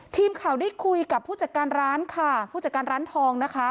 ทีมข่าวได้คุยกับผู้จัดการร้านค่ะผู้จัดการร้านทองนะคะ